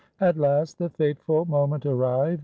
At last the fateful moment arrived.